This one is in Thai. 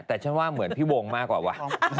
แต่ชอบเหมือนพี่วงมากกว่าว่ะ